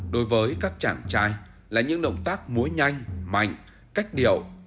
đối với các chàng trai là những động tác múa nhanh mạnh cách điệu